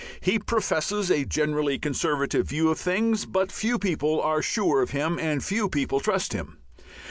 He professes a generally Conservative view of things, but few people are sure of him and few people trust him.